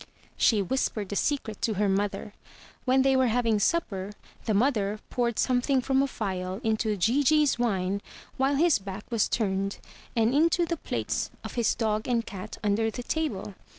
She whispered the secret to her mother. When they were having supper, the mother poured something from a phial into Gigi's wine while his back was turned, and into the plates of his dog and cat imder the table.